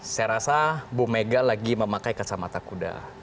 saya rasa ibu megawati lagi memakai kacamata kuda